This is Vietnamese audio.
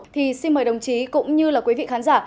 thì xin mời đồng chí cũng như là quý vị khán giả